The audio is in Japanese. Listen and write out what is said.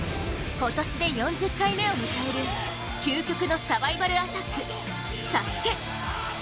今年で４０回目を迎える究極のサバイバルアタック、ＳＡＳＵＫＥ